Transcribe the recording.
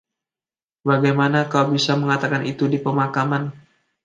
Bagaimana kau bisa mengatakan itu di pemakaman?